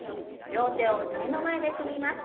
両手を胸の前で組みます。